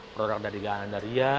produk dari ganandaria